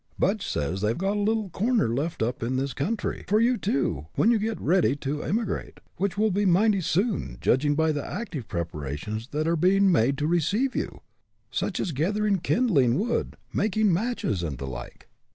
Budge says they've got a little corner left up in his country for you, too, when you get ready to emigrate, which will be mighty soon, judging by the active preparations that are being made to receive you, such as gathering kindling wood, making matches, and the like."